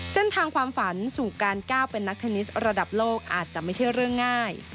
เส้นทางความฝันสู่การก้าวเป็นนักเทนนิสระดับโลกอาจจะไม่ใช่เรื่องง่าย